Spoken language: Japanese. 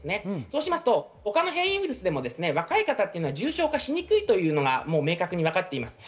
他の変異ウイルスでも若い方は重症化しにくいというのが明確にわかっています。